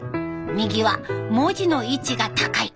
右は文字の位置が高い。